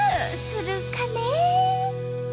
するかね？